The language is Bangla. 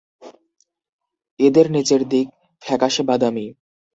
এদের নিচের দিক ফ্যাকাশে বাদামি।